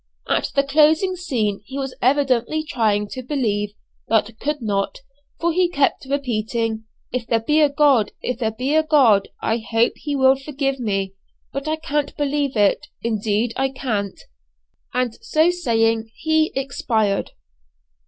At the closing scene he was evidently trying to believe, but could not, for he kept repeating, "If there be a God, if there be a God I hope He will forgive me; but I can't believe it, indeed I can't!" and so saying he expired.